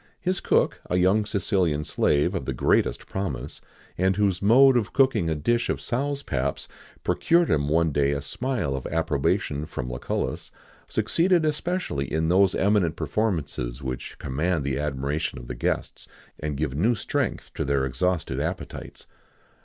His cook, a young Sicilian slave of the greatest promise, and whose mode of cooking a dish of sows' paps procured him one day a smile of approbation from Lucullus, succeeded especially in those eminent performances which command the admiration of the guests, and give new strength to their exhausted appetites.